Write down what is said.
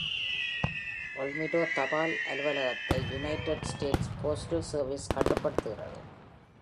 Olmito தபால் அலுவலகத்தை United States Postal Service கட்டுப்படுத்துகிறது.